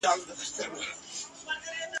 ستا سندره ووایم څوک خو به څه نه وايي !.